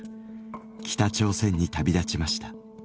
北朝鮮に旅立ちました。